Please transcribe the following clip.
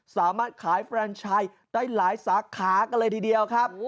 สามารถขายแฟนชายได้หลายสาขากันเลยทีเดียวครับ